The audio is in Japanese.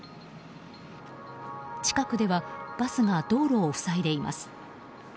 近くではバスが道路を塞いでいます。